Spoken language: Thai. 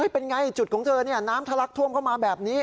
เป็นไงจุดของเธอน้ำทะลักท่วมเข้ามาแบบนี้